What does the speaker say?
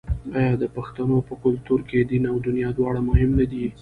آیا د پښتنو په کلتور کې دین او دنیا دواړه مهم نه دي؟